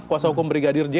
kuasa hukum brigadir j